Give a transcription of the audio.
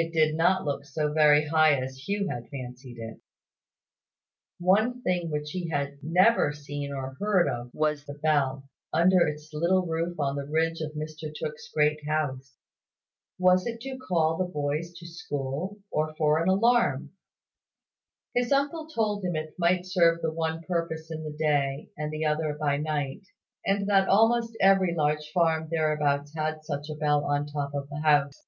It did not look so very high as Hugh had fancied it. One thing which he had never seen or heard of was the bell, under its little roof on the ridge of Mr Tooke's great house. Was it to call in the boys to school, or for an alarm? His uncle told him it might serve the one purpose in the day, and the other by night; and that almost every large farm thereabouts had such a bell on the top of the house.